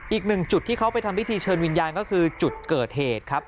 อีกหนึ่งจุดที่เขาไปทำพิธีเชิญวิญญาณก็คือจุดเกิดเหตุครับ